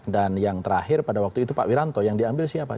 dan yang terakhir pada waktu itu pak wiranto yang diambil siapa